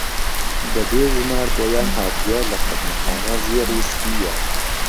به بێ ژومار بۆیان هاتووه له خهزنهخانه زیڕی سپییه